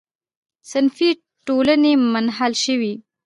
صنفي ټولنې منحل شوې.